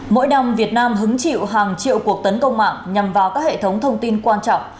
mỗi năm việt nam hứng chịu hàng triệu cuộc tấn công mạng nhằm vào các hệ thống thông tin quan trọng